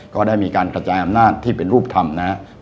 ก็ได้มีการกระจายอำนาจที่เป็นรูปธรรมนะครับ